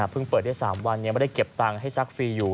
เปิดได้๓วันยังไม่ได้เก็บตังค์ให้ซักฟรีอยู่